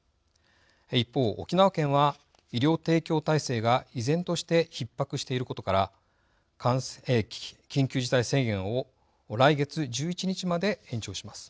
一方沖縄県は医療提供体制が依然としてひっ迫していることから緊急事態宣言を来月１１日まで延長します。